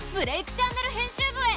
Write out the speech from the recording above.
チャンネル編集部へ！